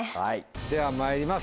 ではまいります